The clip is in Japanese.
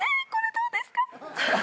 どうですか？